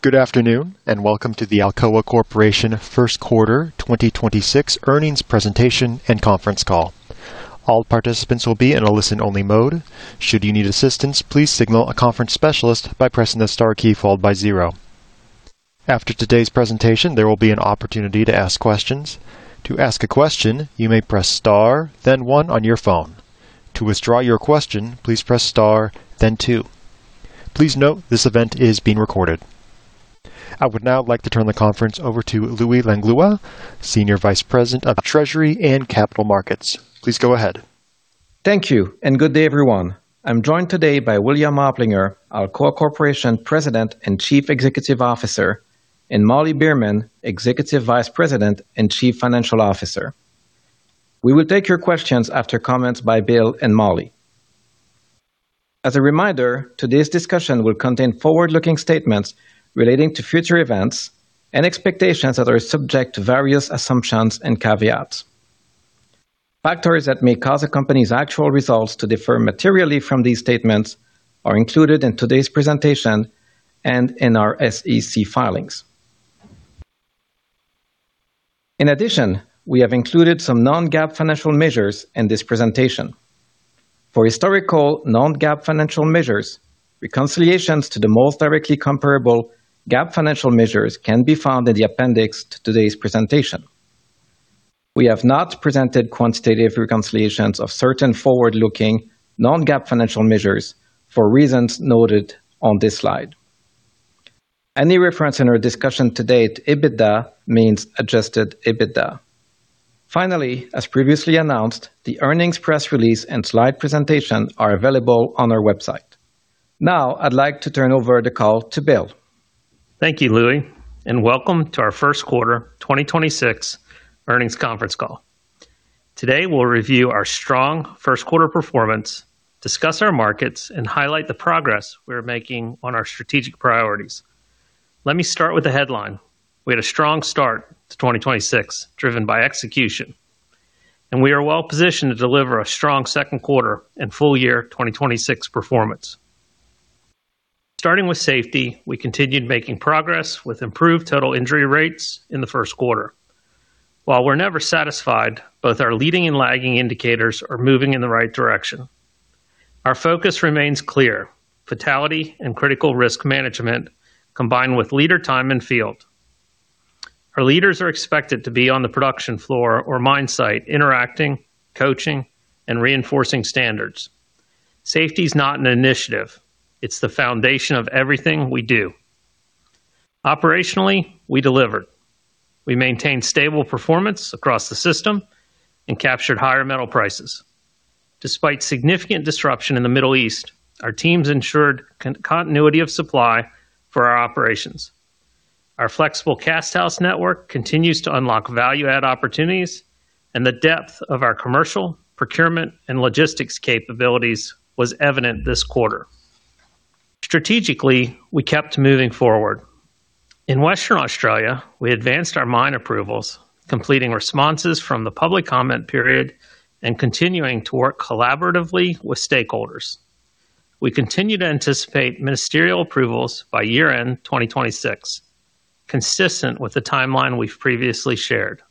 Good afternoon, and welcome to the Alcoa Corporation first quarter 2026 earnings presentation and conference call. All participants will be in a listen-only mode. Should you need assistance, please signal a conference specialist by pressing the star key followed by zero. After today's presentation, there will be an opportunity to ask questions. To ask a question, you may press star then one on your phone. To withdraw your question, please press star then two. Please note this event is being recorded. I would now like to turn the conference over to Louis Langlois, Senior Vice President of Treasury and Capital Markets. Please go ahead. Thank you, and good day, everyone. I'm joined today by William Oplinger, Alcoa Corporation President and Chief Executive Officer, and Molly Beerman, Executive Vice President and Chief Financial Officer. We will take your questions after comments by Bill and Molly. As a reminder, today's discussion will contain forward-looking statements relating to future events and expectations that are subject to various assumptions and caveats. Factors that may cause a company's actual results to differ materially from these statements are included in today's presentation and in our SEC filings. In addition, we have included some non-GAAP financial measures in this presentation. For historical non-GAAP financial measures, reconciliations to the most directly comparable GAAP financial measures can be found in the appendix to today's presentation. We have not presented quantitative reconciliations of certain forward-looking, non-GAAP financial measures for reasons noted on this slide. Any reference in our discussion to date, EBITDA means adjusted EBITDA. Finally, as previously announced, the earnings press release and slide presentation are available on our website. Now, I'd like to turn over the call to Bill. Thank you, Louis, and welcome to our first quarter 2026 earnings conference call. Today, we'll review our strong first quarter performance, discuss our markets, and highlight the progress we're making on our strategic priorities. Let me start with the headline. We had a strong start to 2026, driven by execution, and we are well-positioned to deliver a strong second quarter and full-year 2026 performance. Starting with safety, we continued making progress with improved total injury rates in the first quarter. While we're never satisfied, both our leading and lagging indicators are moving in the right direction. Our focus remains clear, fatality and critical risk management combined with leadership time in the field. Our leaders are expected to be on the production floor or mine site interacting, coaching, and reinforcing standards. Safety is not an initiative. It's the foundation of everything we do. Operationally, we delivered. We maintained stable performance across the system and captured higher metal prices. Despite significant disruption in the Middle East, our teams ensured continuity of supply for our operations. Our flexible cast house network continues to unlock value add opportunities, and the depth of our commercial, procurement, and logistics capabilities was evident this quarter. Strategically, we kept moving forward. In Western Australia, we advanced our mine approvals, completing responses from the public comment period and continuing to work collaboratively with stakeholders. We continue to anticipate ministerial approvals by year-end 2026, consistent with the timeline we've previously shared.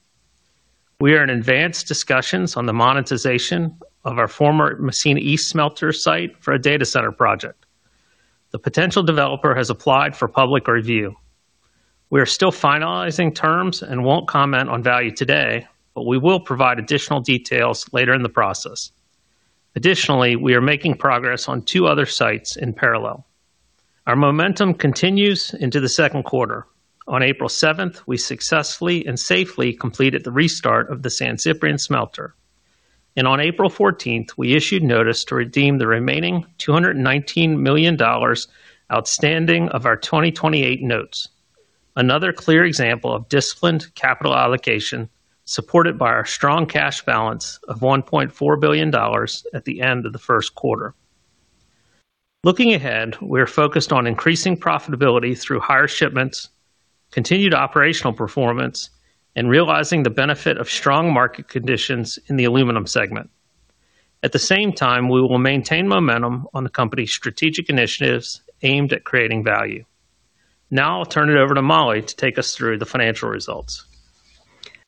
We are in advanced discussions on the monetization of our former Massena East Smelter site for a data center project. The potential developer has applied for public review. We are still finalizing terms and won't comment on value today, but we will provide additional details later in the process. Additionally, we are making progress on two other sites in parallel. Our momentum continues into the second quarter. On April 7th, we successfully and safely completed the restart of the San Ciprián Smelter. On April 14th, we issued notice to redeem the remaining $219 million outstanding of our 2028 notes. Another clear example of disciplined capital allocation, supported by our strong cash balance of $1.4 billion at the end of the first quarter. Looking ahead, we are focused on increasing profitability through higher shipments, continued operational performance, and realizing the benefit of strong market conditions in the Aluminum segment. At the same time, we will maintain momentum on the company's strategic initiatives aimed at creating value. Now, I'll turn it over to Molly to take us through the financial results.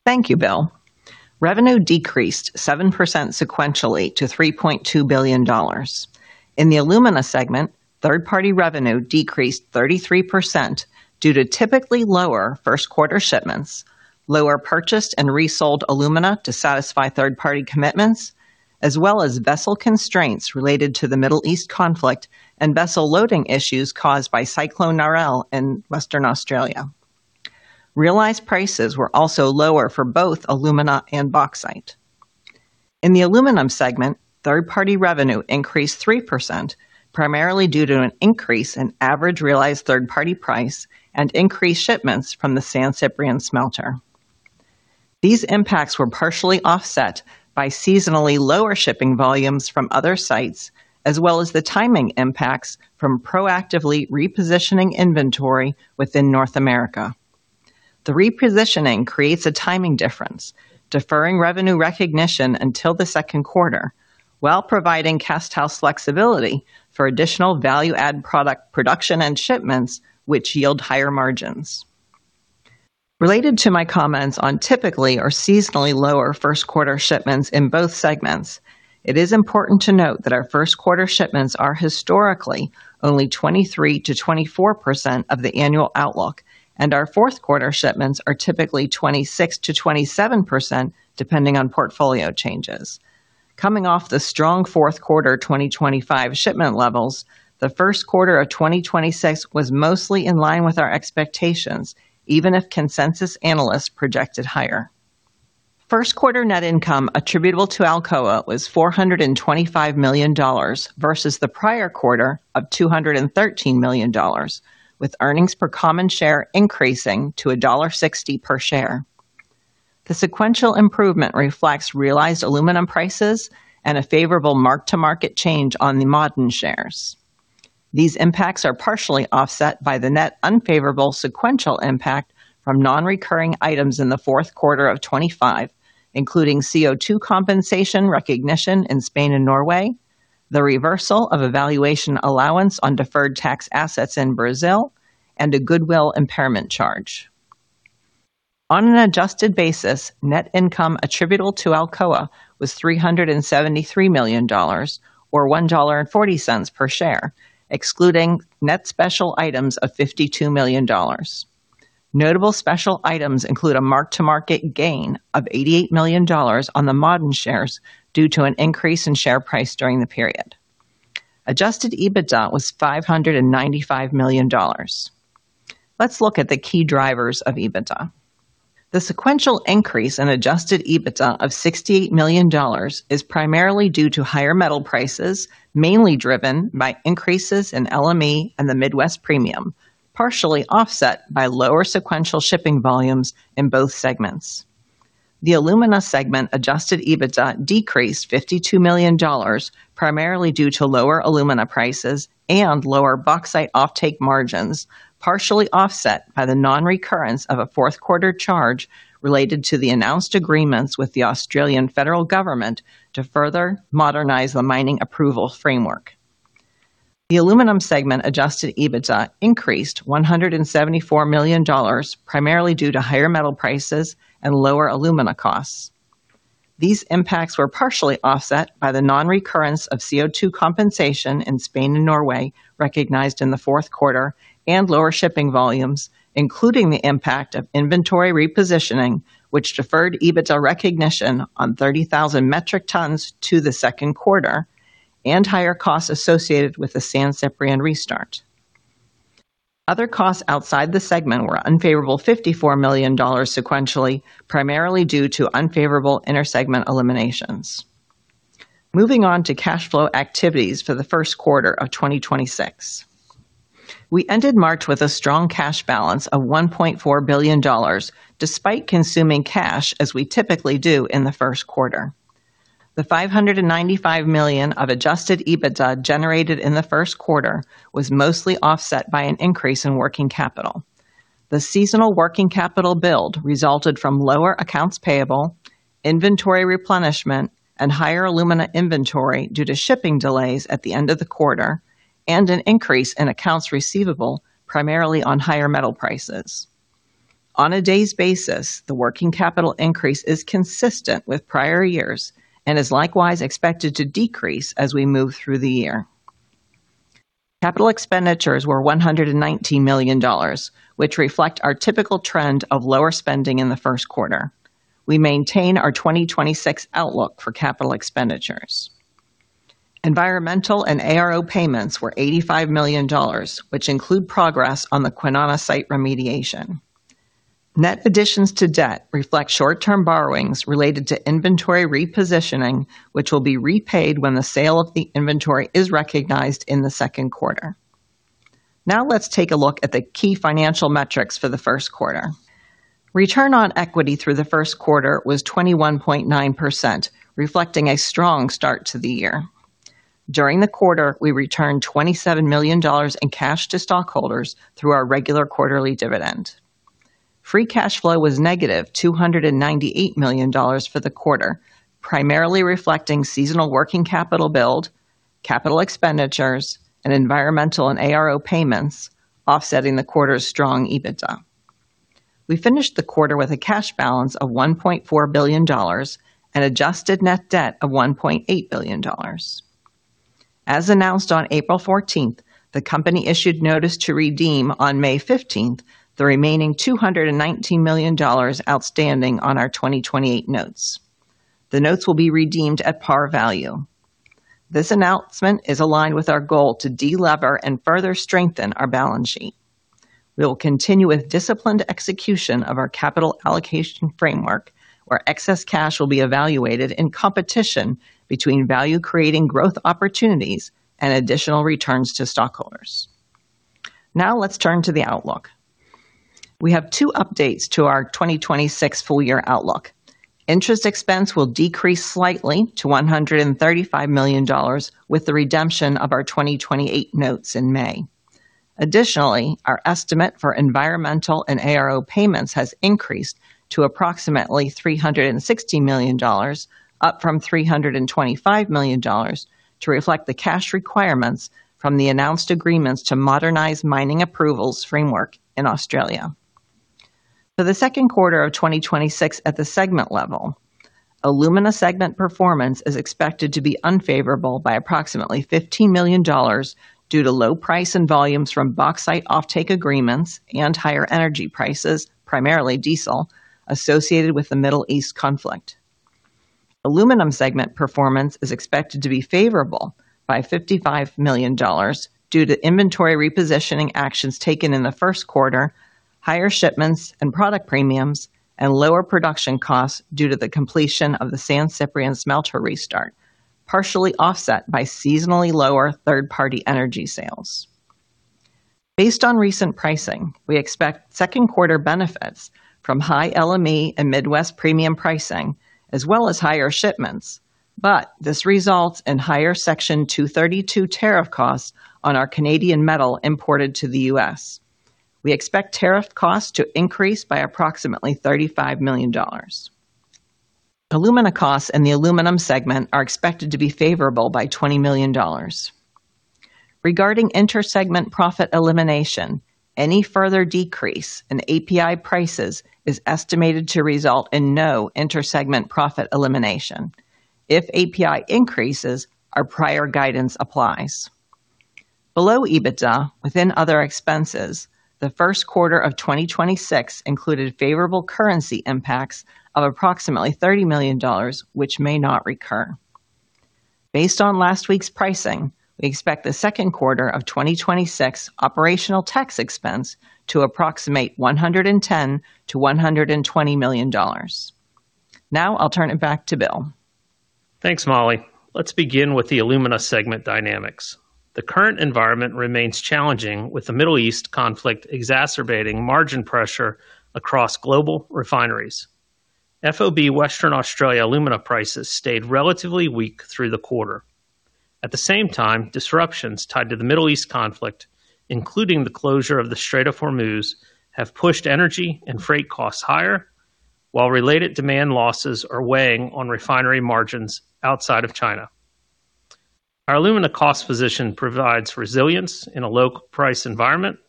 Thank you, Bill. Revenue decreased 7% sequentially to $3.2 billion. In the Alumina segment, third-party revenue decreased 33% due to typically lower first quarter shipments, lower purchased and resold alumina to satisfy third-party commitments, as well as vessel constraints related to the Middle East conflict and vessel loading issues caused by Cyclone Narelle in Western Australia. Realized prices were also lower for both alumina and bauxite. In the Aluminum segment, third-party revenue increased 3%, primarily due to an increase in average realized third-party price and increased shipments from the San Ciprián Smelter. These impacts were partially offset by seasonally lower shipping volumes from other sites, as well as the timing impacts from proactively repositioning inventory within North America. The repositioning creates a timing difference, deferring revenue recognition until the second quarter, while providing casthouse flexibility for additional value-add product production and shipments, which yield higher margins. Related to my comments on typically or seasonally lower first quarter shipments in both segments, it is important to note that our first quarter shipments are historically only 23%-24% of the annual outlook, and our fourth quarter shipments are typically 26%-27%, depending on portfolio changes. Coming off the strong fourth quarter 2025 shipment levels, the first quarter of 2026 was mostly in line with our expectations, even if consensus analysts projected higher. First quarter net income attributable to Alcoa was $425 million versus the prior quarter of $213 million, with earnings per common share increasing to $1.60 per share. The sequential improvement reflects realized aluminum prices and a favorable mark-to-market change on the Ma'aden shares. These impacts are partially offset by the net unfavorable sequential impact from non-recurring items in the fourth quarter of 2025, including CO2 compensation recognition in Spain and Norway, the reversal of a valuation allowance on deferred tax assets in Brazil, and a goodwill impairment charge. On an adjusted basis, net income attributable to Alcoa was $373 million, or $1.40 per share, excluding net special items of $52 million. Notable special items include a mark-to-market gain of $88 million on the Ma'aden shares due to an increase in share price during the period. Adjusted EBITDA was $595 million. Let's look at the key drivers of EBITDA. The sequential increase in adjusted EBITDA of $68 million is primarily due to higher metal prices, mainly driven by increases in LME and the Midwest premium, partially offset by lower sequential shipping volumes in both segments. The Alumina segment adjusted EBITDA decreased $52 million, primarily due to lower alumina prices and lower bauxite offtake margins, partially offset by the non-recurrence of a fourth quarter charge related to the announced agreements with the Australian federal government to further modernize the mining approval framework. The Aluminum segment adjusted EBITDA increased $174 million, primarily due to higher metal prices and lower alumina costs. These impacts were partially offset by the non-recurrence of CO2 compensation in Spain and Norway recognized in the fourth quarter and lower shipping volumes, including the impact of inventory repositioning, which deferred EBITDA recognition on 30,000 metric tons to the second quarter and higher costs associated with the San Ciprián restart. Other costs outside the segment were unfavorable $54 million sequentially, primarily due to unfavorable intersegment eliminations. Moving on to cash flow activities for the first quarter of 2026. We ended March with a strong cash balance of $1.4 billion, despite consuming cash as we typically do in the first quarter. The $595 million of adjusted EBITDA generated in the first quarter was mostly offset by an increase in working capital. The seasonal working capital build resulted from lower accounts payable, inventory replenishment, and higher alumina inventory due to shipping delays at the end of the quarter, and an increase in accounts receivable primarily on higher metal prices. On a day's basis, the working capital increase is consistent with prior years and is likewise expected to decrease as we move through the year. Capital expenditures were $119 million, which reflect our typical trend of lower spending in the first quarter. We maintain our 2026 outlook for capital expenditures. Environmental and ARO payments were $85 million, which include progress on the Kwinana site remediation. Net additions to debt reflect short-term borrowings related to inventory repositioning, which will be repaid when the sale of the inventory is recognized in the second quarter. Now, let's take a look at the key financial metrics for the first quarter. Return on equity through the first quarter was 21.9%, reflecting a strong start to the year. During the quarter, we returned $27 million in cash to stockholders through our regular quarterly dividend. Free cash flow was -$298 million for the quarter, primarily reflecting seasonal working capital build, capital expenditures, and environmental and ARO payments, offsetting the quarter's strong EBITDA. We finished the quarter with a cash balance of $1.4 billion and adjusted net debt of $1.8 billion. As announced on April 14th, the company issued notice to redeem on May 15th the remaining $219 million outstanding on our 2028 notes. The notes will be redeemed at par value. This announcement is aligned with our goal to de-lever and further strengthen our balance sheet. We will continue with disciplined execution of our capital allocation framework, where excess cash will be evaluated in competition between value-creating growth opportunities and additional returns to stockholders. Now let's turn to the outlook. We have two updates to our 2026 full-year outlook. Interest expense will decrease slightly to $135 million with the redemption of our 2028 notes in May. Additionally, our estimate for environmental and ARO payments has increased to approximately $360 million, up from $325 million, to reflect the cash requirements from the announced agreements to modernize mining approvals framework in Australia. For the second quarter of 2026 at the segment level, Alumina segment performance is expected to be unfavorable by approximately $15 million due to low price and volumes from bauxite offtake agreements and higher energy prices, primarily diesel, associated with the Middle East conflict. Aluminum segment performance is expected to be favorable by $55 million due to inventory repositioning actions taken in the first quarter, higher shipments and product premiums, and lower production costs due to the completion of the San Ciprián smelter restart, partially offset by seasonally lower third-party energy sales. Based on recent pricing, we expect second quarter benefits from high LME and Midwest premium pricing as well as higher shipments. This results in higher Section 232 tariff costs on our Canadian metal imported to the U.S. We expect tariff costs to increase by approximately $35 million. Alumina costs in the Aluminum segment are expected to be favorable by $20 million. Regarding inter-segment profit elimination, any further decrease in API prices is estimated to result in no inter-segment profit elimination. If API increases, our prior guidance applies. Below EBITDA, within other expenses, the first quarter of 2026 included favorable currency impacts of approximately $30 million, which may not recur. Based on last week's pricing, we expect the second quarter of 2026 operational tax expense to approximate $110 million-$120 million. Now, I'll turn it back to Bill. Thanks, Molly. Let's begin with the Alumina segment dynamics. The current environment remains challenging with the Middle East conflict exacerbating margin pressure across global refineries. FOB Western Australia alumina prices stayed relatively weak through the quarter. At the same time, disruptions tied to the Middle East conflict, including the closure of the Strait of Hormuz, have pushed energy and freight costs higher, while related demand losses are weighing on refinery margins outside of China. Our alumina cost position provides resilience in a low price environment,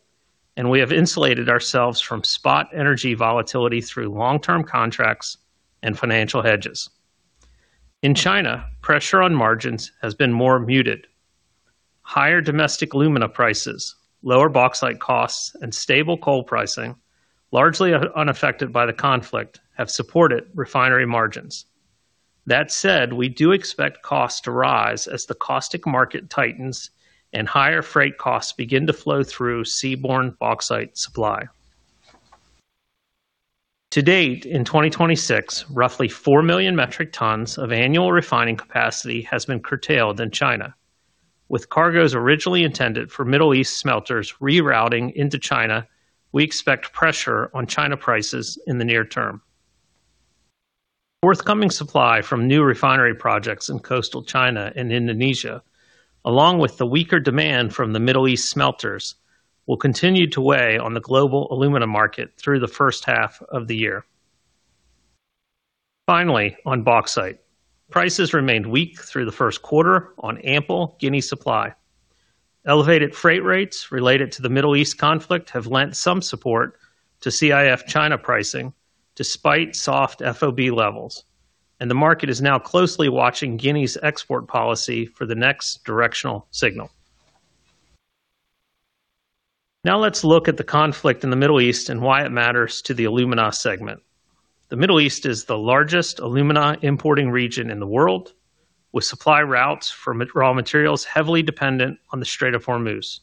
and we have insulated ourselves from spot energy volatility through long-term contracts and financial hedges. In China, pressure on margins has been more muted. Higher domestic alumina prices, lower bauxite costs, and stable coal pricing, largely unaffected by the conflict, have supported refinery margins. That said, we do expect costs to rise as the caustic market tightens and higher freight costs begin to flow through seaborne bauxite supply. To date, in 2026, roughly 4 million metric tons of annual refining capacity has been curtailed in China. With cargoes originally intended for Middle East smelters rerouting into China, we expect pressure on China prices in the near term. Forthcoming supply from new refinery projects in coastal China and Indonesia, along with the weaker demand from the Middle East smelters, will continue to weigh on the global alumina market through the first half of the year. Finally, on bauxite. Prices remained weak through the first quarter on ample Guinea supply. Elevated freight rates related to the Middle East conflict have lent some support to CIF China pricing despite soft FOB levels, and the market is now closely watching Guinea's export policy for the next directional signal. Now let's look at the conflict in the Middle East and why it matters to the Alumina segment. The Middle East is the largest alumina importing region in the world, with supply routes for raw materials heavily dependent on the Strait of Hormuz.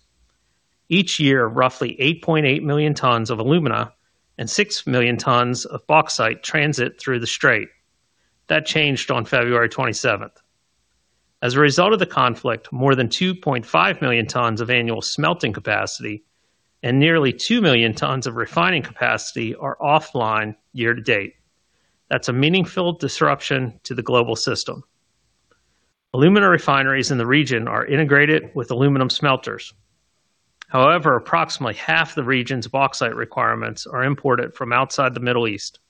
Each year, roughly 8.8 million tons of alumina and 6 million tons of bauxite transit through the strait. That changed on February 27th. As a result of the conflict, more than 2.5 million tons of annual smelting capacity and nearly 2 million tons of refining capacity are offline year-to-date. That's a meaningful disruption to the global system. Alumina refineries in the region are integrated with aluminum smelters. However, approximately half the region's bauxite requirements are imported from outside the Middle East.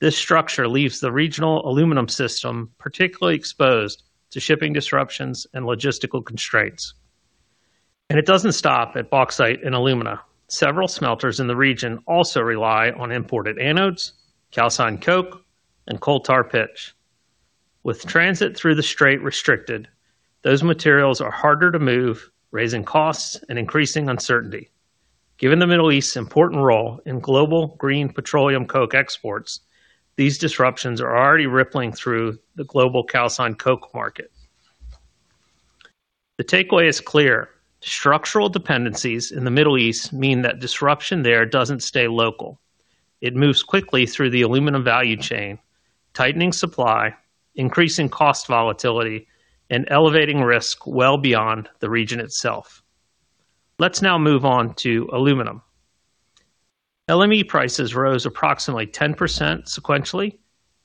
This structure leaves the regional aluminum system particularly exposed to shipping disruptions and logistical constraints. It doesn't stop at bauxite and alumina. Several smelters in the region also rely on imported anodes, calcined coke, and coal tar pitch. With transit through the strait restricted, those materials are harder to move, raising costs and increasing uncertainty. Given the Middle East's important role in global green petroleum coke exports, these disruptions are already rippling through the global calcined coke market. The takeaway is clear. Structural dependencies in the Middle East mean that disruption there doesn't stay local. It moves quickly through the aluminum value chain, tightening supply, increasing cost volatility, and elevating risk well beyond the region itself. Let's now move on to aluminum. LME prices rose approximately 10% sequentially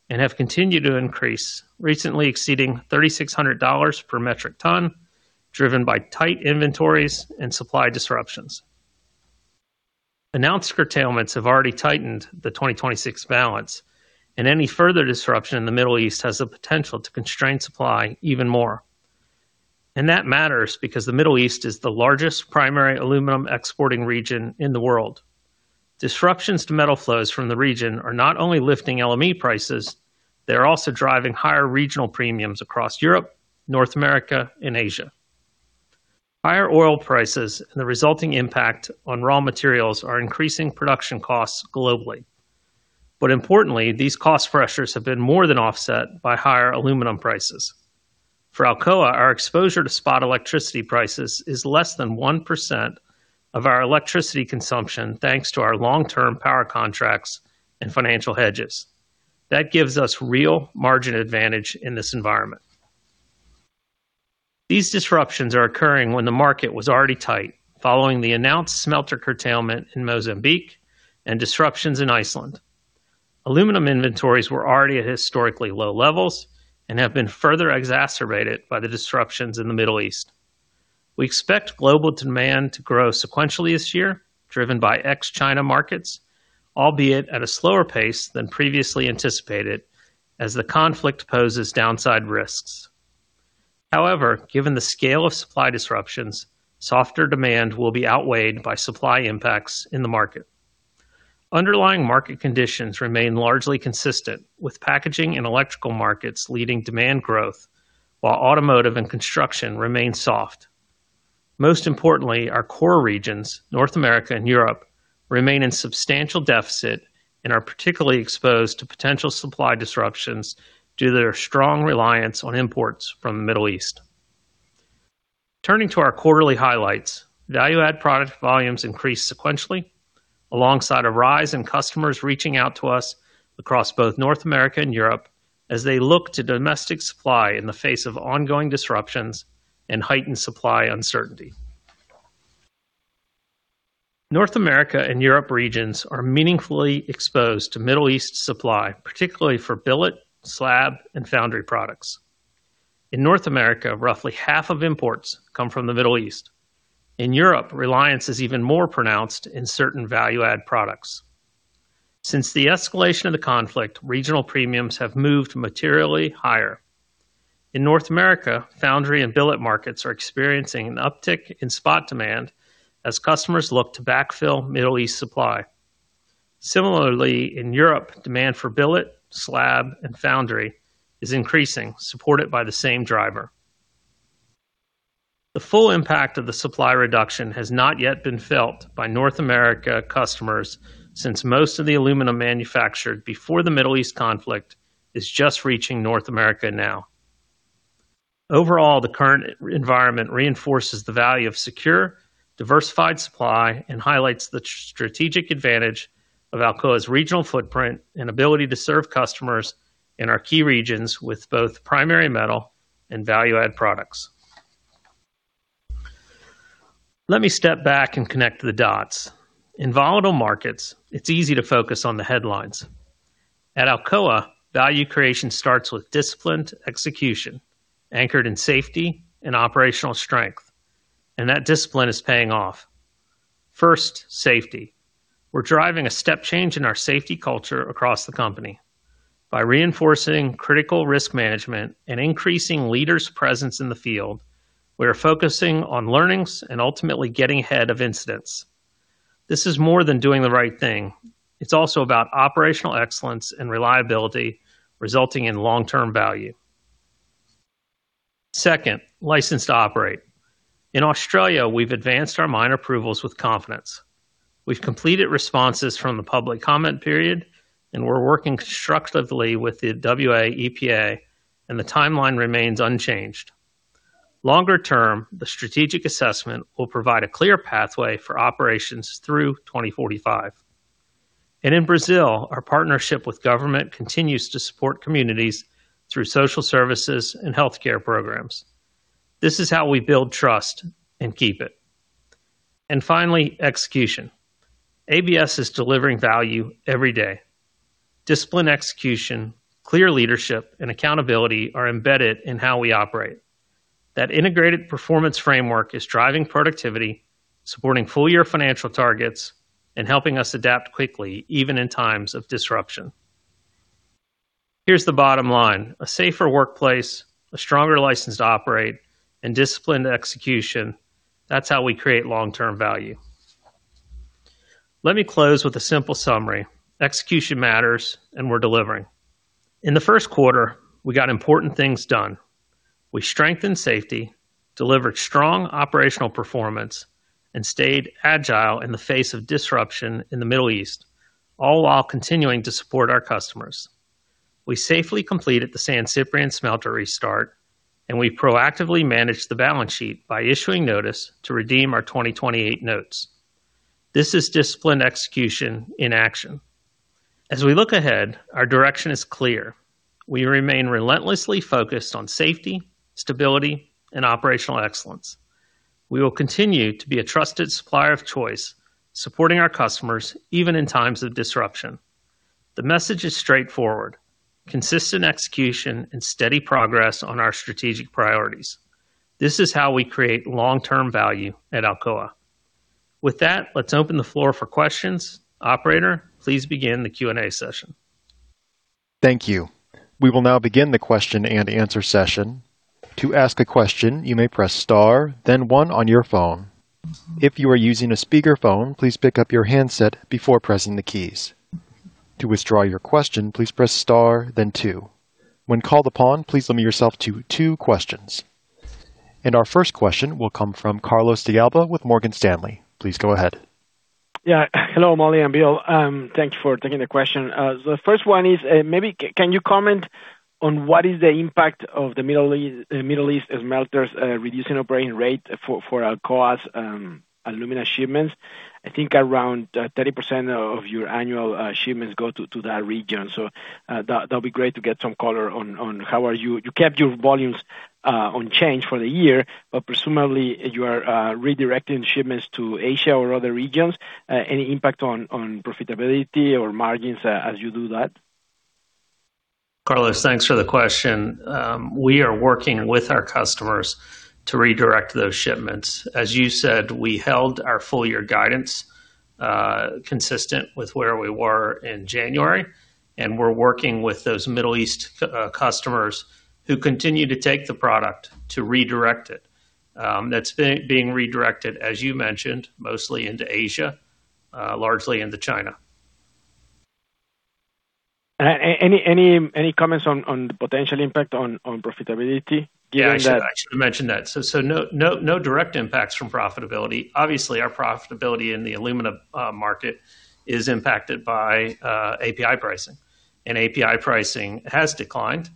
and have continued to increase, recently exceeding $3,600 per metric ton, driven by tight inventories and supply disruptions. Announced curtailments have already tightened the 2026 balance, and any further disruption in the Middle East has the potential to constrain supply even more. That matters because the Middle East is the largest primary aluminum exporting region in the world. Disruptions to metal flows from the region are not only lifting LME prices, they're also driving higher regional premiums across Europe, North America, and Asia. Higher oil prices and the resulting impact on raw materials are increasing production costs globally. Importantly, these cost pressures have been more than offset by higher aluminum prices. For Alcoa, our exposure to spot electricity prices is less than 1% of our electricity consumption, thanks to our long-term power contracts and financial hedges. That gives us real margin advantage in this environment. These disruptions are occurring when the market was already tight, following the announced smelter curtailment in Mozambique and disruptions in Iceland. Aluminum inventories were already at historically low levels and have been further exacerbated by the disruptions in the Middle East. We expect global demand to grow sequentially this year, driven by ex-China markets, albeit at a slower pace than previously anticipated, as the conflict poses downside risks. However, given the scale of supply disruptions, softer demand will be outweighed by supply impacts in the market. Underlying market conditions remain largely consistent, with packaging and electrical markets leading demand growth, while automotive and construction remain soft. Most importantly, our core regions, North America and Europe, remain in substantial deficit and are particularly exposed to potential supply disruptions due to their strong reliance on imports from the Middle East. Turning to our quarterly highlights, value add product volumes increased sequentially, alongside a rise in customers reaching out to us across both North America and Europe as they look to domestic supply in the face of ongoing disruptions and heightened supply uncertainty. North America and Europe regions are meaningfully exposed to Middle East supply, particularly for billet, slab, and foundry products. In North America, roughly half of imports come from the Middle East. In Europe, reliance is even more pronounced in certain value-add products. Since the escalation of the conflict, regional premiums have moved materially higher. In North America, foundry and billet markets are experiencing an uptick in spot demand as customers look to backfill Middle East supply. Similarly, in Europe, demand for billet, slab, and foundry is increasing, supported by the same driver. The full impact of the supply reduction has not yet been felt by North America customers since most of the aluminum manufactured before the Middle East conflict is just reaching North America now. Overall, the current environment reinforces the value of secure, diversified supply and highlights the strategic advantage of Alcoa's regional footprint and ability to serve customers in our key regions with both primary metal and value-add products. Let me step back and connect the dots. In volatile markets, it's easy to focus on the headlines. At Alcoa, value creation starts with disciplined execution, anchored in safety and operational strength, and that discipline is paying off. First, safety. We're driving a step change in our safety culture across the company. By reinforcing critical risk management and increasing leaders' presence in the field, we are focusing on learnings and ultimately getting ahead of incidents. This is more than doing the right thing. It's also about operational excellence and reliability, resulting in long-term value. Second, license to operate. In Australia, we've advanced our mine approvals with confidence. We've completed responses from the public comment period, and we're working constructively with the WA EPA, and the timeline remains unchanged. Longer term, the strategic assessment will provide a clear pathway for operations through 2045. In Brazil, our partnership with government continues to support communities through social services and healthcare programs. This is how we build trust and keep it. Finally, execution. ABS is delivering value every day. Disciplined execution, clear leadership, and accountability are embedded in how we operate. That integrated performance framework is driving productivity, supporting full-year financial targets, and helping us adapt quickly, even in times of disruption. Here's the bottom line. A safer workplace, a stronger license to operate, and disciplined execution, that's how we create long-term value. Let me close with a simple summary. Execution matters, and we're delivering. In the first quarter, we got important things done. We strengthened safety, delivered strong operational performance, and stayed agile in the face of disruption in the Middle East, all while continuing to support our customers. We safely completed the San Ciprián smelter restart, and we proactively managed the balance sheet by issuing notice to redeem our 2028 notes. This is disciplined execution in action. As we look ahead, our direction is clear. We remain relentlessly focused on safety, stability and operational excellence. We will continue to be a trusted supplier of choice, supporting our customers even in times of disruption. The message is straightforward, consistent execution and steady progress on our strategic priorities. This is how we create long-term value at Alcoa. With that, let's open the floor for questions. Operator, please begin the Q&A session. Thank you. We will now begin the question-and-answer session. To ask a question, you may press star then one on your phone. If you are using a speakerphone, please pick up your handset before pressing the keys. To withdraw your question, please press star then two. When called upon, please limit yourself to two questions. Our first question will come from Carlos de Alba with Morgan Stanley. Please go ahead. Hello, Molly and Bill. Thank you for taking the question. The first one is, can you comment on what is the impact of the Middle East smelters reducing operating rate for Alcoa's alumina shipments? I think around 30% of your annual shipments go to that region. That'd be great to get some color on how you kept your volumes unchanged for the year. Presumably you are redirecting shipments to Asia or other regions. Any impact on profitability or margins as you do that? Carlos, thanks for the question. We are working with our customers to redirect those shipments. As you said, we held our full-year guidance, consistent with where we were in January, and we're working with those Middle East customers who continue to take the product to redirect it. That's being redirected, as you mentioned, mostly into Asia, largely into China. Any comments on the potential impact on profitability given that? Yeah, I should have mentioned that. No direct impacts from profitability. Obviously our profitability in the alumina market is impacted by API pricing, and API pricing has declined.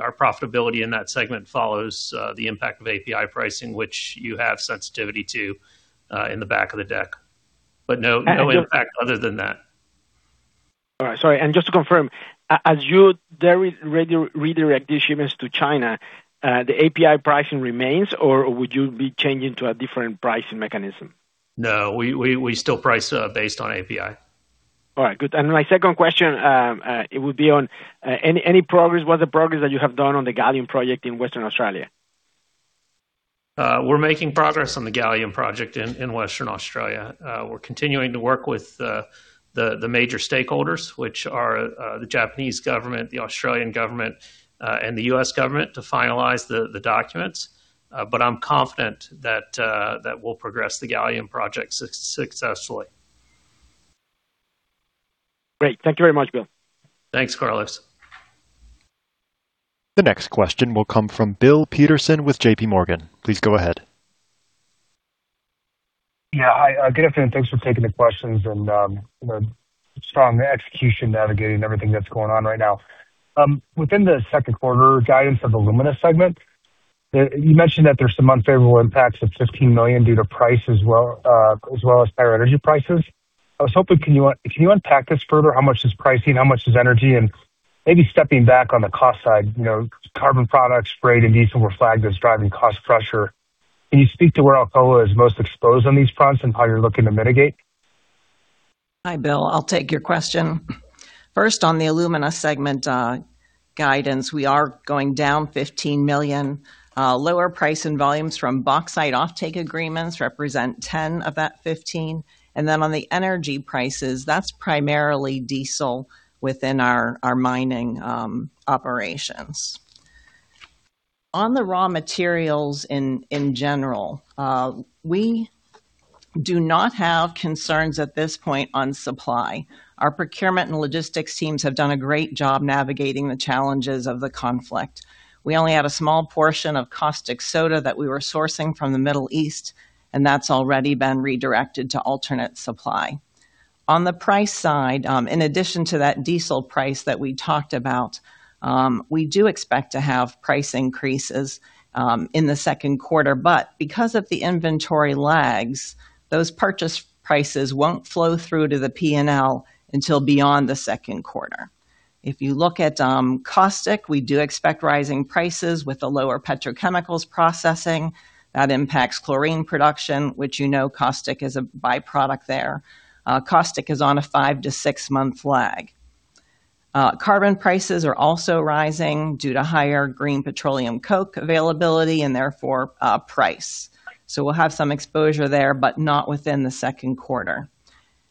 Our profitability in that segment follows the impact of API pricing, which you have sensitivity to in the back of the deck. No impact other than that. All right, sorry. Just to confirm, as you redirect these shipments to China, the API pricing remains or would you be changing to a different pricing mechanism? No, we still price based on API. All right, good. My second question, it would be on any progress. What's the progress that you have done on the gallium project in Western Australia? We're making progress on the gallium project in Western Australia. We're continuing to work with the major stakeholders, which are the Japanese government, the Australian government, and the U.S. government to finalize the documents. I'm confident that we'll progress the gallium project successfully. Great. Thank you very much, Bill. Thanks, Carlos. The next question will come from Bill Peterson with JPMorgan. Please go ahead. Yeah. Hi, good afternoon. Thanks for taking the questions and the strong execution navigating everything that's going on right now. Within the second quarter guidance of Alumina segment, you mentioned that there's some unfavorable impacts of $15 million due to price as well as higher energy prices. I was hoping, can you unpack this further? How much is pricing? How much is energy? And maybe stepping back on the cost side, carbon products, freight and diesel were flagged as driving cost pressure. Can you speak to where Alcoa is most exposed on these fronts and how you're looking to mitigate? Hi, Bill. I'll take your question. First, on the Alumina segment guidance, we are going down $15 million. Lower price and volumes from bauxite offtake agreements represent $10 million of that $15 million. On the energy prices, that's primarily diesel within our mining operations. On the raw materials in general, we do not have concerns at this point on supply. Our procurement and logistics teams have done a great job navigating the challenges of the conflict. We only had a small portion of caustic soda that we were sourcing from the Middle East, and that's already been redirected to alternate supply. On the price side, in addition to that diesel price that we talked about, we do expect to have price increases in the second quarter. Because of the inventory lags, those purchase prices won't flow through to the P&L until beyond the second quarter. If you look at caustic, we do expect rising prices with the lower petrochemicals processing. That impacts chlorine production, which you know caustic is a byproduct there. Caustic is on a 5-6 months lag. Carbon prices are also rising due to higher green petroleum coke availability and therefore price. We'll have some exposure there, but not within the second quarter.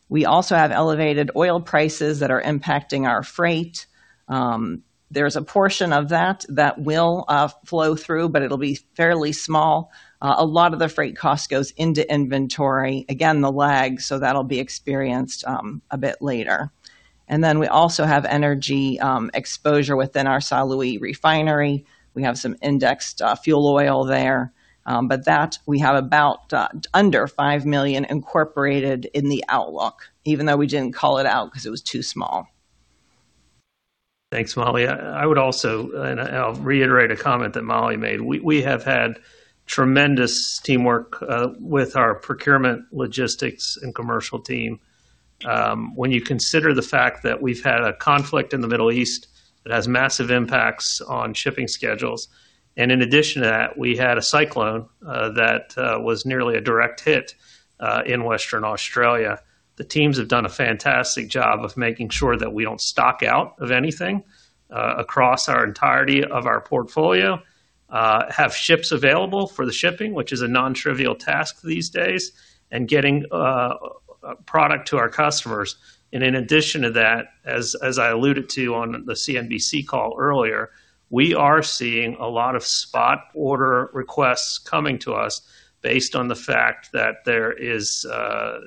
We also have elevated oil prices that are impacting our freight. There's a portion of that will flow through, but it'll be fairly small. A lot of the freight cost goes into inventory. Again, the lag, so that'll be experienced a bit later. We also have energy exposure within our São Luís Refinery. We have some indexed fuel oil there. That we have about under $5 million incorporated in the outlook, even though we didn't call it out because it was too small. Thanks, Molly. I would also, and I'll reiterate a comment that Molly made. We have had tremendous teamwork with our procurement, logistics, and commercial team. When you consider the fact that we've had a conflict in the Middle East that has massive impacts on shipping schedules. In addition to that, we had a cyclone that was nearly a direct hit in Western Australia. The teams have done a fantastic job of making sure that we don't stock out of anything across our entirety of our portfolio, have ships available for the shipping, which is a non-trivial task these days, and getting product to our customers. In addition to that, as I alluded to on the CNBC call earlier, we are seeing a lot of spot order requests coming to us based on the fact that there is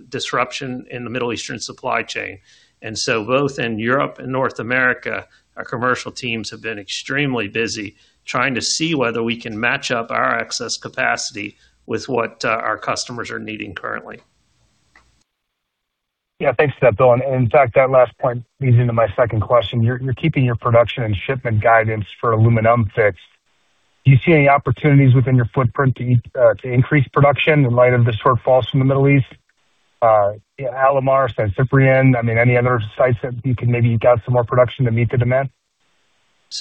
disruption in the Middle Eastern supply chain. Both in Europe and North America, our commercial teams have been extremely busy trying to see whether we can match up our excess capacity with what our customers are needing currently. Yeah. Thanks for that, Bill. In fact, that last point leads into my second question. You're keeping your production and shipment guidance for aluminum fixed. Do you see any opportunities within your footprint to increase production in light of the shortfalls from the Middle East? Alumar, San Ciprián, any other sites that you can maybe get out some more production to meet the demand?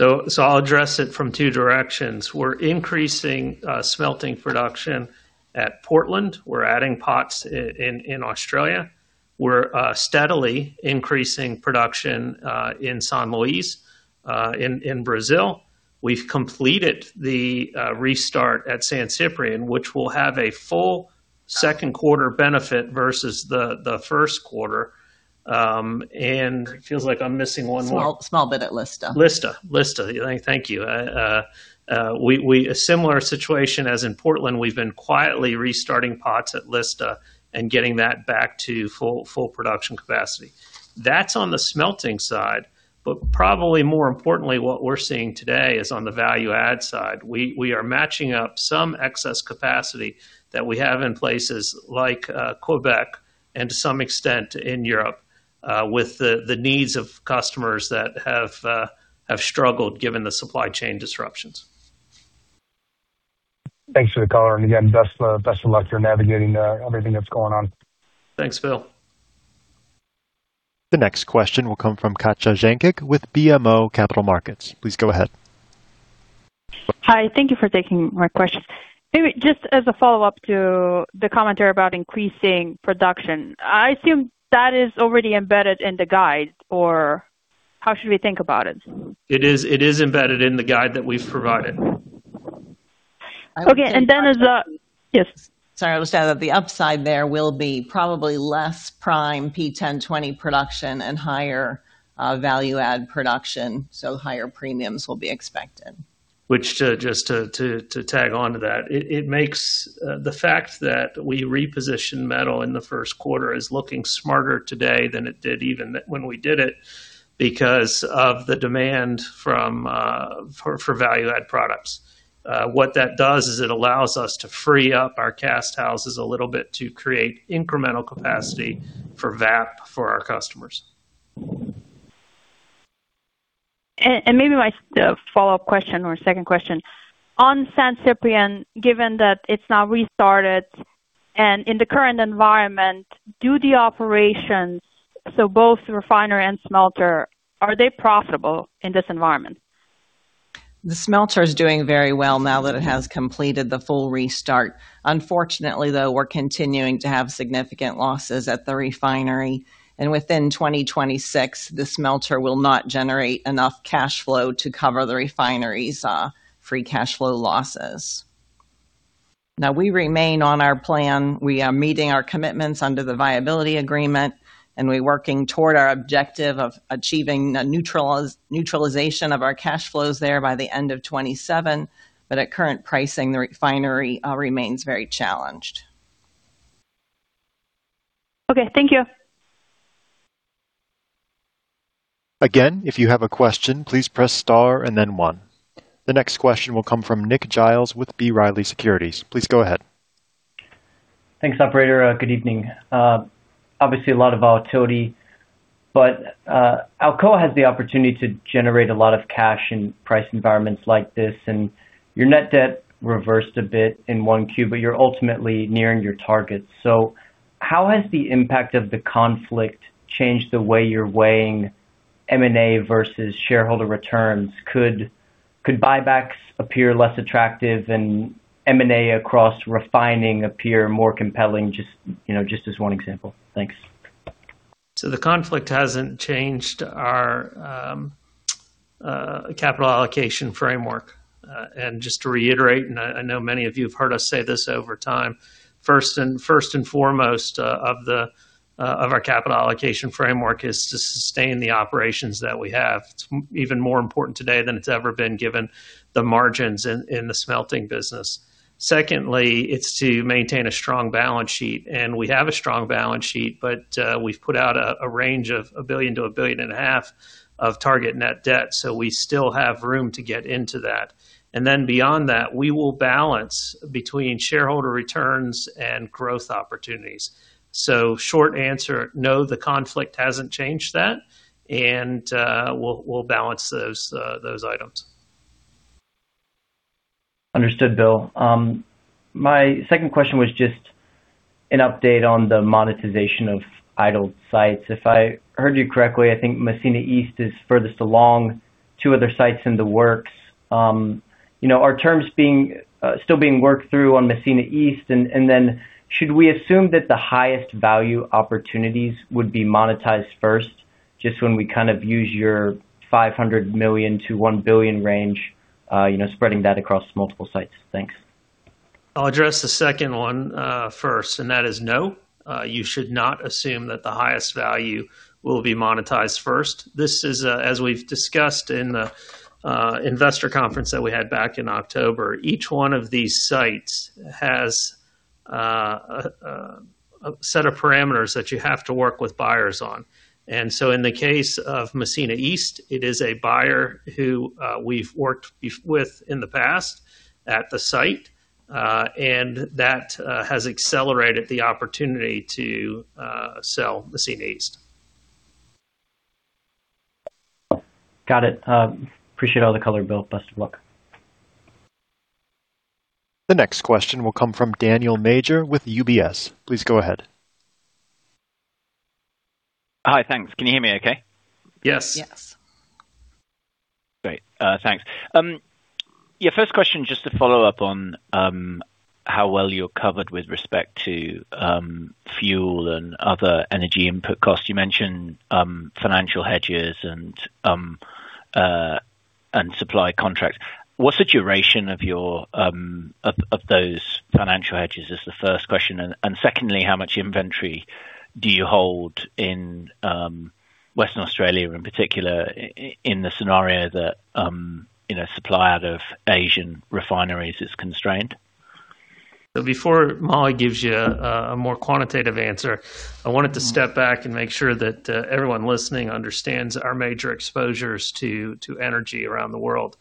I'll address it from two directions. We're increasing smelting production at Portland. We're adding pots in Australia. We're steadily increasing production in São Luís in Brazil. We've completed the restart at San Ciprián, which will have a full second quarter benefit versus the first quarter. It feels like I'm missing one more. Small bit at Lista. Lista. Thank you. A similar situation as in Portland, we've been quietly restarting pots at Lista and getting that back to full production capacity. That's on the smelting side. Probably more importantly, what we're seeing today is on the value add side. We are matching up some excess capacity that we have in places like Quebec and to some extent in Europe, with the needs of customers that have struggled given the supply chain disruptions. Thanks for the color and again, best of luck. You're navigating everything that's going on. Thanks, Bill. The next question will come from Katja Jancic with BMO Capital Markets. Please go ahead. Hi, thank you for taking my question. Maybe just as a follow-up to the commentary about increasing production, I assume that is already embedded in the guide or how should we think about it? It is embedded in the guide that we've provided. Okay, yes? Sorry. I'll just add that the upside there will be probably less primary P1020 production and higher value add production, so higher premiums will be expected. Which, just to tack on to that, it makes the fact that we repositioned metal in the first quarter as looking smarter today than it did even when we did it because of the demand for value-add products. What that does is it allows us to free up our cast houses a little bit to create incremental capacity for VAP for our customers. Maybe my follow-up question or second question. On San Ciprián, given that it's now restarted and in the current environment, do the operations, so both refinery and smelter, are they profitable in this environment? The smelter is doing very well now that it has completed the full restart. Unfortunately, though, we're continuing to have significant losses at the refinery, and within 2026, the smelter will not generate enough cash flow to cover the refinery's free cash flow losses. Now we remain on our plan. We are meeting our commitments under the viability agreement, and we're working toward our objective of achieving neutralization of our cash flows there by the end of 2027. At current pricing, the refinery remains very challenged. Okay, thank you. Again, if you have a question, please press star and then one. The next question will come from Nick Giles with B. Riley Securities. Please go ahead. Thanks, operator. Good evening. Obviously, a lot of volatility, but Alcoa has the opportunity to generate a lot of cash in price environments like this, and your net debt reversed a bit in 1Q, but you're ultimately nearing your target. How has the impact of the conflict changed the way you're weighing M&A versus shareholder returns? Could buybacks appear less attractive and M&A across refining appear more compelling, just as one example? Thanks. The conflict hasn't changed our capital allocation framework. Just to reiterate, and I know many of you have heard us say this over time, first and foremost of our capital allocation framework is to sustain the operations that we have. It's even more important today than it's ever been given the margins in the smelting business. Secondly, it's to maintain a strong balance sheet, and we have a strong balance sheet, but we've put out a range of $1 billion-$1.5 billion of target net debt. We still have room to get into that, and then beyond that, we will balance between shareholder returns and growth opportunities. Short answer, no, the conflict hasn't changed that, and we'll balance those items. Understood, Bill. My second question was just an update on the monetization of idle sites. If I heard you correctly, I think Massena East is furthest along, two other sites in the works. Are terms still being worked through on Massena East? Should we assume that the highest value opportunities would be monetized first, just when we use your $500 million-$1 billion range, spreading that across multiple sites? Thanks. I'll address the second one first, and that is no. You should not assume that the highest value will be monetized first. This is as we've discussed in the investor conference that we had back in October. Each one of these sites has a set of parameters that you have to work with buyers on. In the case of Massena East, it is a buyer who we've worked with in the past at the site. That has accelerated the opportunity to sell Massena East. Got it. Appreciate all the color, Bill. Best of luck. The next question will come from Daniel Major with UBS. Please go ahead. Hi, thanks. Can you hear me okay? Yes. Yes. Great, thanks. Yeah, first question just to follow up on how well you're covered with respect to fuel and other energy input costs. You mentioned financial hedges and supply contracts. What's the duration of those financial hedges? Is the first question. Secondly, how much inventory do you hold in Western Australia in particular, in the scenario that supply out of Asian refineries is constrained? Before Molly gives you a more quantitative answer, I wanted to step back and make sure that everyone listening understands our major exposures to energy around the world.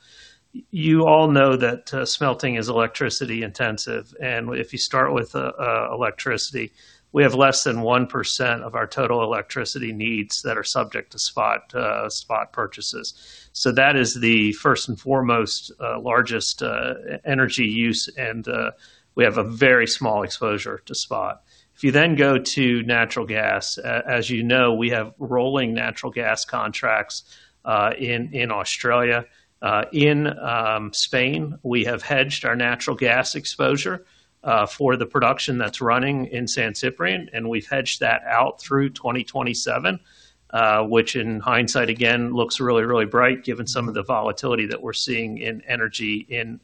You all know that smelting is electricity intensive. If you start with electricity, we have less than 1% of our total electricity needs that are subject to spot purchases. That is the first and foremost, largest energy use, and we have a very small exposure to spot. If you then go to natural gas, as you know, we have rolling natural gas contracts in Australia. In Spain, we have hedged our natural gas exposure for the production that's running in San Ciprián, and we've hedged that out through 2027, which in hindsight, again, looks really, really bright given some of the volatility that we're seeing in energy in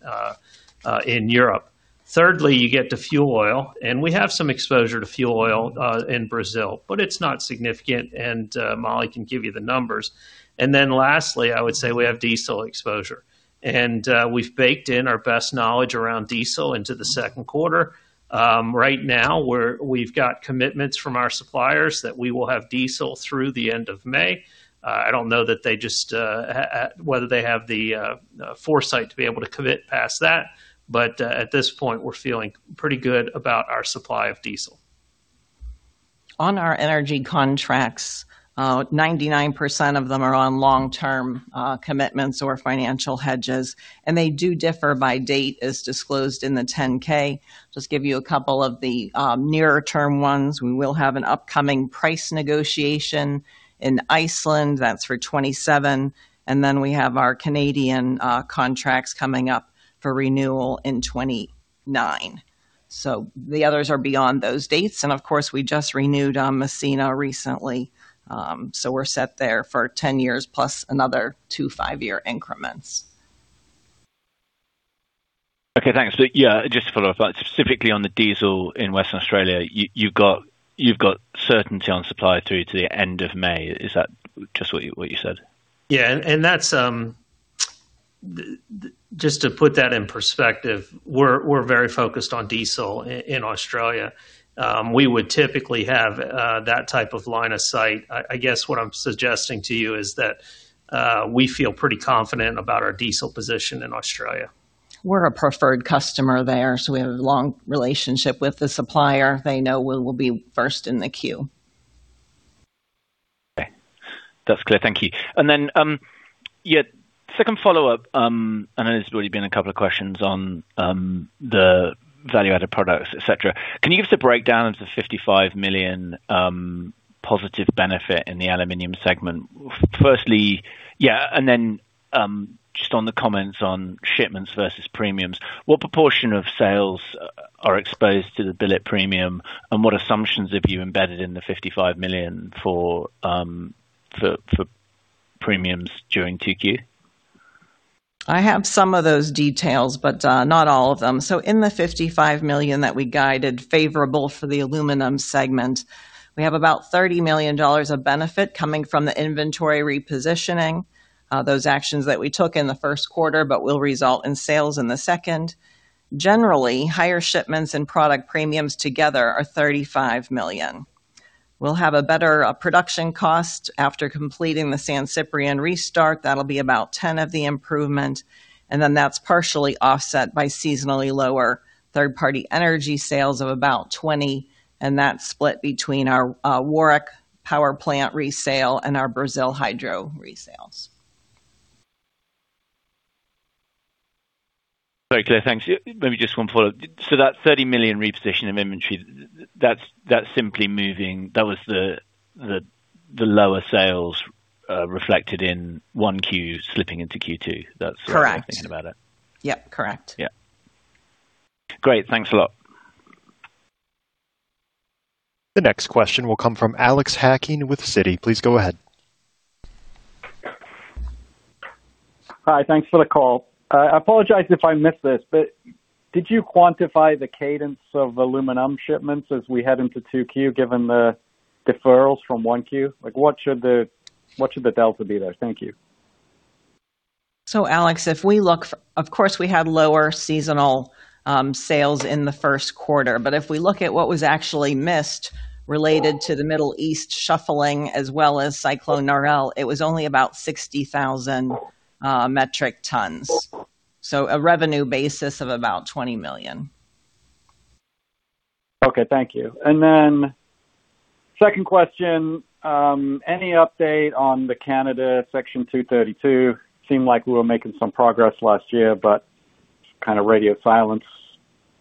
Europe. Thirdly, you get to fuel oil, and we have some exposure to fuel oil in Brazil, but it's not significant. Molly can give you the numbers. Lastly, I would say we have diesel exposure. We've baked in our best knowledge around diesel into the second quarter. Right now, we've got commitments from our suppliers that we will have diesel through the end of May. I don't know whether they have the foresight to be able to commit past that. At this point, we're feeling pretty good about our supply of diesel. On our energy contracts, 99% of them are on long-term commitments or financial hedges, and they do differ by date as disclosed in the 10-K. Just give you a couple of the nearer-term ones. We will have an upcoming price negotiation in Iceland. That's for 2027. We have our Canadian contracts coming up for renewal in 2029. The others are beyond those dates. Of course, we just renewed Massena recently. We're set there for 10 years, plus another two five-year increments. Okay, thanks. Yeah, just to follow up, specifically on the diesel in Western Australia, you've got certainty on supply through to the end of May. Is that just what you said? Yeah. Just to put that in perspective, we're very focused on diesel in Australia. We would typically have that type of line of sight. I guess what I'm suggesting to you is that we feel pretty confident about our diesel position in Australia. We're a preferred customer there, so we have a long relationship with the supplier. They know we will be first in the queue. Okay. That's clear, thank you. Second follow-up. I know there's already been a couple of questions on the value-added products, etc. Can you give us a breakdown of the $55 million positive benefit in the Aluminum segment? Firstly, yeah, and then just on the comments on shipments versus premiums, what proportion of sales are exposed to the billet premium, and what assumptions have you embedded in the $55 million for premiums during 2Q? I have some of those details, but not all of them. In the $55 million that we guided favorable for the Aluminum segment, we have about $30 million of benefit coming from the inventory repositioning. Those actions that we took in the first quarter but will result in sales in the second. Generally, higher shipments and product premiums together are $35 million. We'll have a better production cost after completing the San Ciprián restart. That'll be about $10 million of the improvement, and then that's partially offset by seasonally lower third-party energy sales of about $20 million, and that's split between our Warrick Power Plant resale and our Brazil hydro resales. Very clear, thanks. Maybe just one follow-up. That $30 million reposition of inventory, that's simply moving, that was the lower sales reflected in 1Q slipping into Q2. Correct. That's how I'm thinking about it. Yep, correct. Yeah. Great, thanks a lot. The next question will come from Alex Hacking with Citi. Please go ahead. Hi, thanks for the call. I apologize if I missed this, but did you quantify the cadence of aluminum shipments as we head into 2Q, given the deferrals from 1Q? What should the delta be there? Thank you. Alex, if we look, of course we had lower seasonal sales in the first quarter. But if we look at what was actually missed related to the Middle East shuffling as well as Cyclone Narelle, it was only about 60,000 metric tons. A revenue basis of about $20 million. Okay, thank you. Second question, any update on the Canada Section 232? Seemed like we were making some progress last year, but kind of radio silence.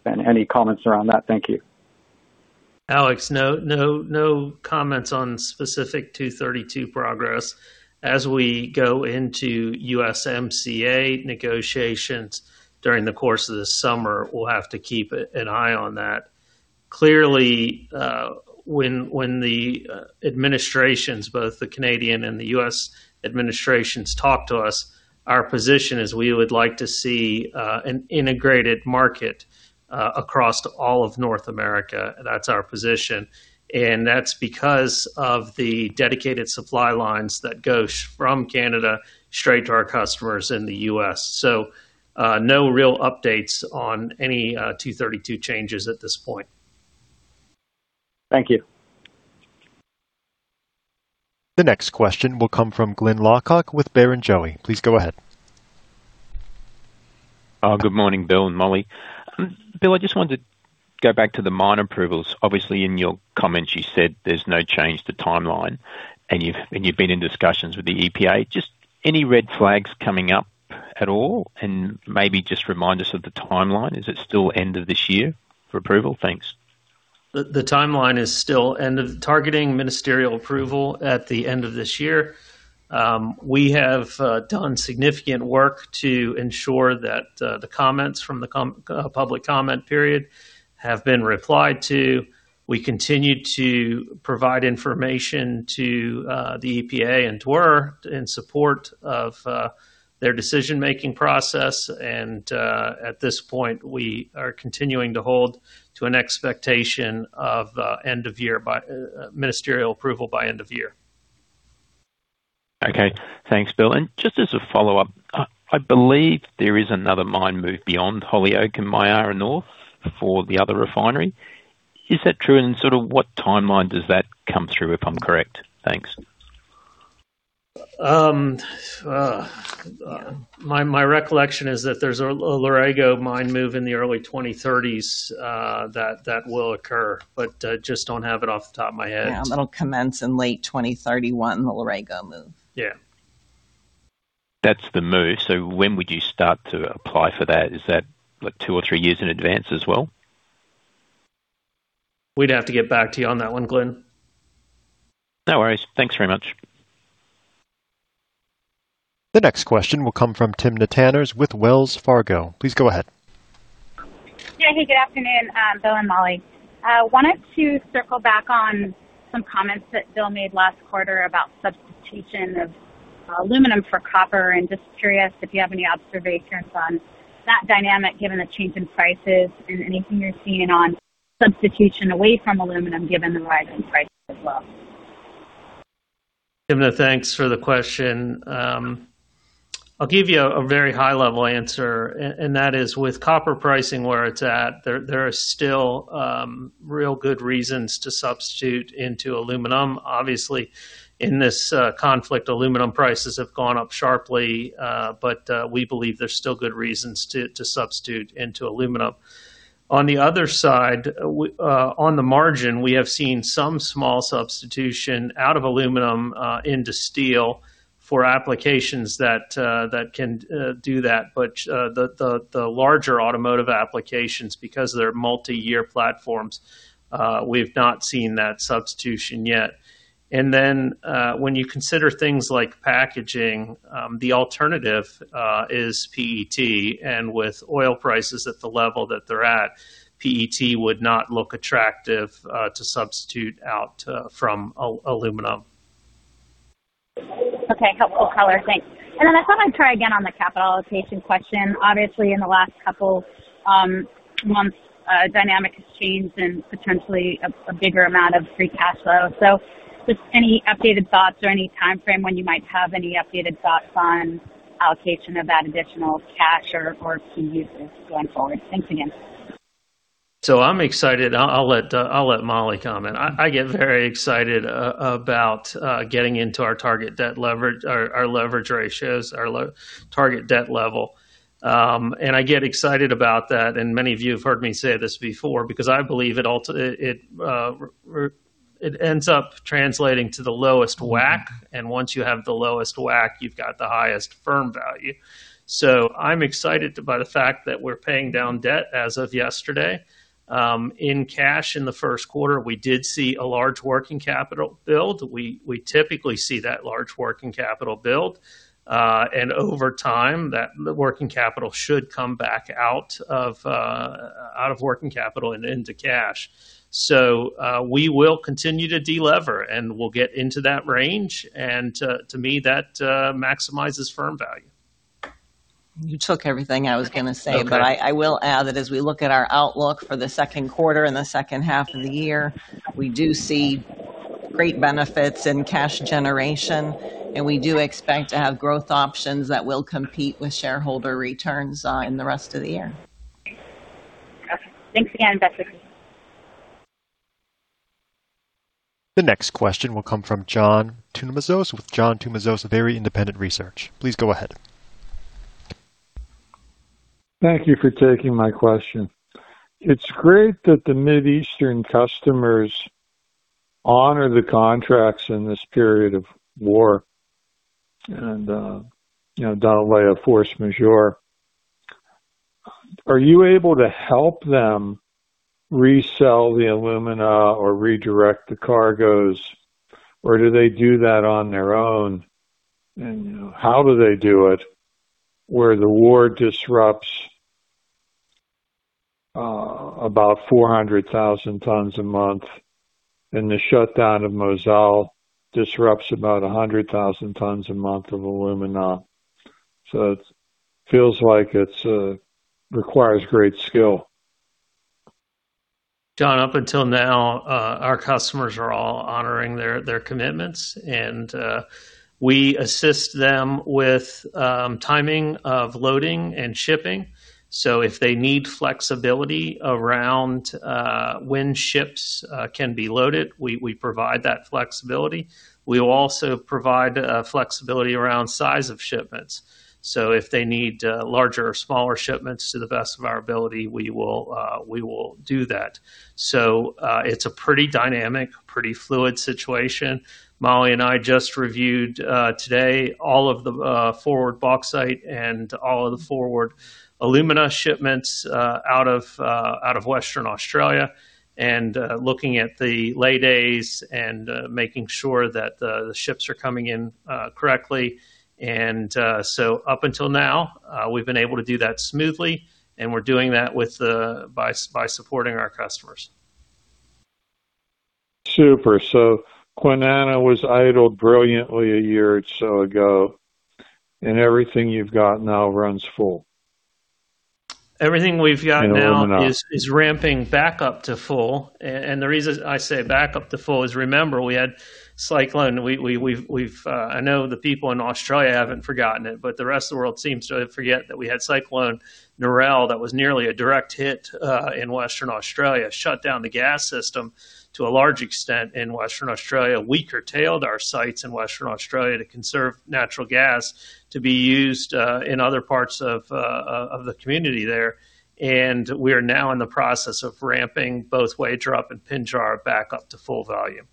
Any comments around that? Thank you. Alex, no comments on specific 232 progress. As we go into USMCA negotiations during the course of this summer, we'll have to keep an eye on that. Clearly, when the administrations, both the Canadian and the U.S. administrations, talk to us, our position is we would like to see an integrated market across all of North America. That's our position, and that's because of the dedicated supply lines that go from Canada straight to our customers in the U.S. No real updates on any 232 changes at this point. Thank you. The next question will come from Glyn Lawcock with Barrenjoey. Please go ahead. Good morning, Bill and Molly. Bill, I just wanted to go back to the mine approvals. Obviously, in your comments, you said there's no change to timeline, and you've been in discussions with the EPA. Just any red flags coming up at all? Maybe just remind us of the timeline. Is it still end of this year for approval? Thanks. The timeline is still targeting ministerial approval at the end of this year. We have done significant work to ensure that the comments from the public comment period have been replied to. We continue to provide information to the EPA and to DWER in support of their decision-making process, and at this point, we are continuing to hold to an expectation of ministerial approval by end of year. Okay. Thanks, Bill. Just as a follow-up, I believe there is another mine move beyond Holyoake and Myara North for the other refinery. Is that true? Sort of what timeline does that come through, if I'm correct? Thanks. My recollection is that there's a Larego mine move in the early 2030s that will occur, but I just don't have it off the top of my head. Yeah, that'll commence in late 2031, the Larego move. Yeah. That's the move. When would you start to apply for that? Is that two or three years in advance as well? We'd have to get back to you on that one, Glyn. No worries, thanks very much. The next question will come from Timna Tanners with Wells Fargo. Please go ahead. Hey, good afternoon, Bill and Molly. I wanted to circle back on some comments that Bill made last quarter about substitution of aluminum for copper, and just curious if you have any observations on that dynamic, given the change in prices, and anything you're seeing on substitution away from aluminum, given the rise in prices as well. Timna, thanks for the question. I'll give you a very high-level answer, and that is with copper pricing where it's at, there are still real good reasons to substitute into aluminum. Obviously, in this conflict, aluminum prices have gone up sharply. We believe there's still good reasons to substitute into aluminum. On the other side, on the margin, we have seen some small substitution out of aluminum into steel for applications that can do that. The larger automotive applications, because they're multi-year platforms, we've not seen that substitution yet. When you consider things like packaging, the alternative is PET, and with oil prices at the level that they're at, PET would not look attractive to substitute out from aluminum. Okay. Helpful color, thanks. I thought I'd try again on the capital allocation question. Obviously, in the last couple months, dynamics have changed and potentially a bigger amount of free cash flow. Just any updated thoughts or any timeframe when you might have any updated thoughts on allocation of that additional cash or key uses going forward? Thanks again. I'm excited. I'll let Molly comment. I get very excited about getting into our target debt leverage, our leverage ratios, our target debt level. I get excited about that, and many of you have heard me say this before, because I believe it ends up translating to the lowest WACC, and once you have the lowest WACC, you've got the highest firm value. I'm excited about the fact that we're paying down debt as of yesterday. In cash in the first quarter, we did see a large working capital build. We typically see that large working capital build. Over time, that working capital should come back out of working capital and into cash. We will continue to de-lever, and we'll get into that range. To me, that maximizes firm value. You took everything I was going to say. Okay. I will add that as we look at our outlook for the second quarter and the second half of the year, we do see great benefits in cash generation, and we do expect to have growth options that will compete with shareholder returns in the rest of the year. Okay. Thanks again, guys. The next question will come from John Tumazos with John Tumazos Very Independent Research. Please go ahead. Thank you for taking my question. It's great that the Middle Eastern customers honor the contracts in this period of war and done away with force majeure. Are you able to help them resell the alumina or redirect the cargoes, or do they do that on their own? How do they do it where the war disrupts about 400,000 tons a month, and the shutdown of Mosul disrupts about 100,000 tons a month of alumina? It feels like it requires great skill. John, up until now, our customers are all honoring their commitments, and we assist them with timing of loading and shipping. If they need flexibility around when ships can be loaded, we provide that flexibility. We will also provide flexibility around size of shipments. If they need larger or smaller shipments, to the best of our ability, we will do that. It's a pretty dynamic, pretty fluid situation. Molly and I just reviewed today all of the forward bauxite and all of the forward alumina shipments out of Western Australia, and looking at the lay days and making sure that the ships are coming in correctly. Up until now, we've been able to do that smoothly, and we're doing that by supporting our customers. Super. Kwinana was idled brilliantly a year or so ago, and everything you've got now runs full in alumina. Everything we've got now is ramping back up to full. The reason I say back up to full is, remember, we had cyclone. I know the people in Australia haven't forgotten it, but the rest of the world seems to forget that we had Cyclone Narelle that was nearly a direct hit in Western Australia that shut down the gas system to a large extent in Western Australia. We curtailed our sites in Western Australia to conserve natural gas to be used in other parts of the community there. We are now in the process of ramping both Wagerup and Pinjarra back up to full volume.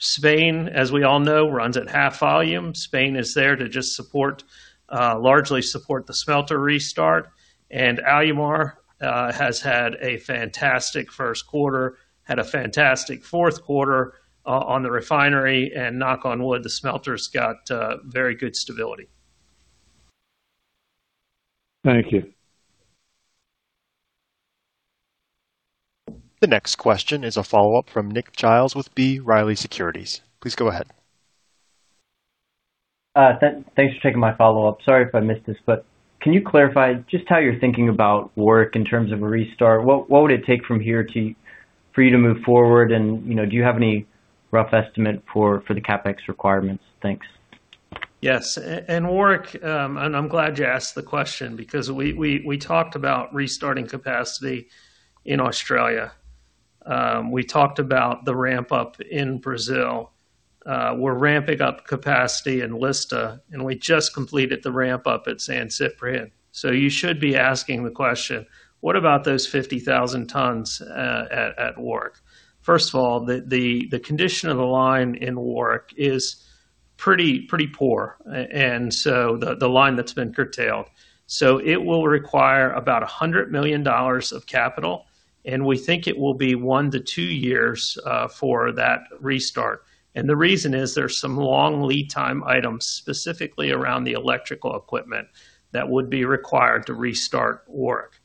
Spain, as we all know, runs at half volume. Spain is there to just largely support the smelter restart. Alumar has had a fantastic first quarter, had a fantastic fourth quarter on the refinery, and knock on wood, the smelter's got very good stability. Thank you. The next question is a follow-up from Nick Giles with B. Riley Securities. Please go ahead. Thanks for taking my follow-up. Sorry if I missed this, but can you clarify just how you're thinking about Warrick in terms of a restart? What would it take from here for you to move forward, and do you have any rough estimate for the CapEx requirements? Thanks. Yes. Warrick, and I'm glad you asked the question because we talked about restarting capacity in Australia. We talked about the ramp-up in Brazil. We're ramping up capacity in Alumar, and we just completed the ramp-up at San Ciprián. You should be asking the question, what about those 50,000 tons at Warrick? First of all, the condition of the line in Warrick is pretty poor. The line that's been curtailed. It will require about $100 million of capital, and we think it will be 1-2 years for that restart. The reason is there's some long lead time items, specifically around the electrical equipment that would be required to restart Warrick.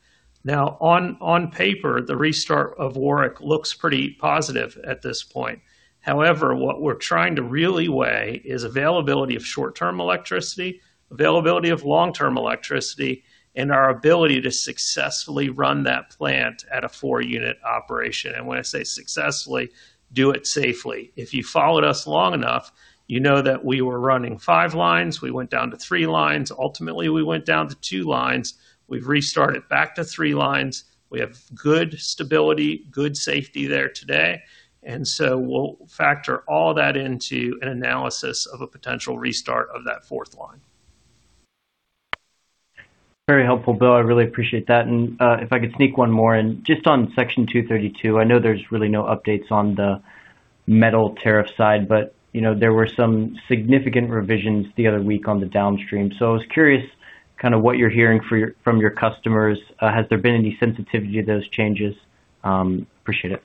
Now on paper, the restart of Warrick looks pretty positive at this point. However, what we're trying to really weigh is availability of short-term electricity, availability of long-term electricity, and our ability to successfully run that plant at a four-unit operation. When I say successfully, do it safely. If you followed us long enough, you know that we were running five lines, we went down to three lines. Ultimately, we went down to two lines. We've restarted back to three lines. We have good stability, good safety there today. We'll factor all that into an analysis of a potential restart of that fourth line. Very helpful, Bill. I really appreciate that. If I could sneak one more in, just on Section 232, I know there's really no updates on the metal tariff side, but there were some significant revisions the other week on the downstream. I was curious kind of what you're hearing from your customers. Has there been any sensitivity to those changes? Appreciate it.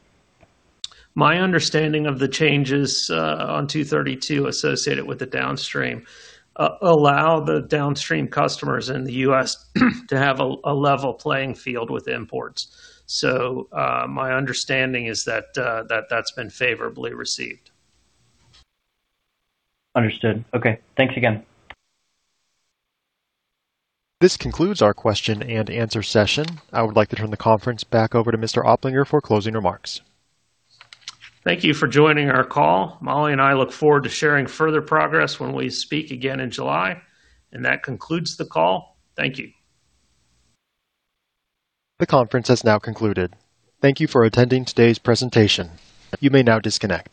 My understanding of the changes on 232 associated with the downstream allow the downstream customers in the U.S. to have a level playing field with imports. My understanding is that that's been favorably received. Understood. Okay, thanks again. This concludes our question-and-answer session. I would like to turn the conference back over to Mr. Oplinger for closing remarks. Thank you for joining our call. Molly and I look forward to sharing further progress when we speak again in July. That concludes the call, thank you. The conference has now concluded. Thank you for attending today's presentation. You may now disconnect.